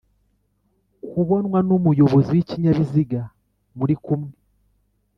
kubonwa n'umuyobozi w'ikinyabiziga muri kumwe